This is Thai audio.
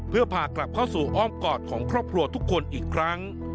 เพื่อพากลับเข้าสู่อ้อมกอดของครอบครัวทุกคนอีกครั้ง